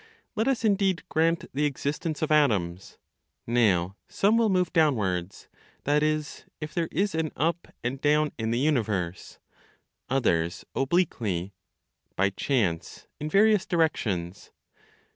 Let us, indeed, grant the existence of atoms; now some will move downwards that is, if there is an up and down in the universe others obliquely, by chance, in various directions.